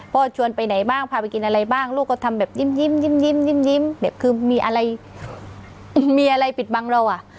ชวนไปไหนบ้างพาไปกินอะไรบ้างลูกก็ทำแบบยิ้มแบบคือมีอะไรมีอะไรปิดบังเราอ่ะ